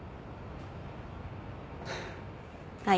はい。